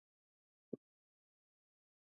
د قلم نیولو اصول زده کړه غواړي.